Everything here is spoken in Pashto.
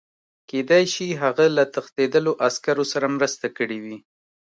کېدای شي هغه له تښتېدلو عسکرو سره مرسته کړې وي